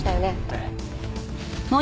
ええ。